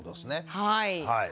はい。